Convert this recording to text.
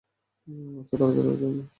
আচ্ছা, তাড়াতাড়ি রাজি হওয়ার জন্য ধন্যবাদ।